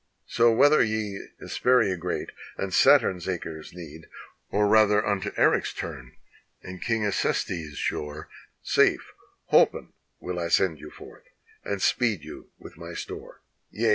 So whether ye Hesperia great, and Saturn's acres need, Or rather unto Eryx turn, and King Acestes' shore, Safe, holpen will I send you forth, and speed you with my store: Yea